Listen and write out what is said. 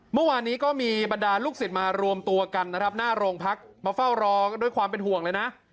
เมื่อวานนี้ก็มีบรรดาลูกศิษย์มารวมตัวกันนะครับหน้าโรงพักมาเฝ้ารอด้วยความเป็นห่วงเลยนะ